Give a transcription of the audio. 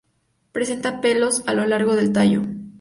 Presenta pelos a lo largo del tallo.